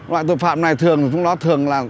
loại tội phạm này thường là chúng nó thường